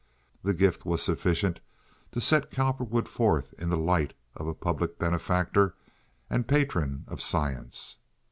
The gift was sufficient to set Cowperwood forth in the light of a public benefactor and patron of science.